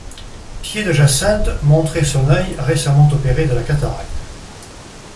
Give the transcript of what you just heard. Pied-de-Jacinthe montrait son œil récemment opéré de la cataracte.